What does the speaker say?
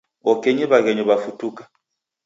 Okenyi w'aghenyu w'afutuka